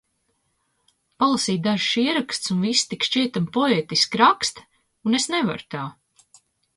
Palasīju dažus ierakstus un visi tik šķietami poētiski raksta un es nevaru tā.